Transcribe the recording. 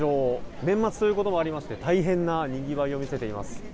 年末ということもありまして大変なにぎわいを見せています。